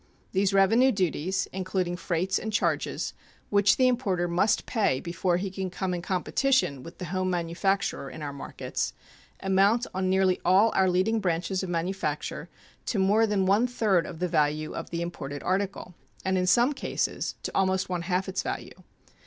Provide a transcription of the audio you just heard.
These revenue duties, including freights and charges, which the importer must pay before he can come in competition with the home manufacturer in our markets, amount on nearly all our leading branches of manufacture to more than one third of the value of the imported article, and in some cases to almost one half its value.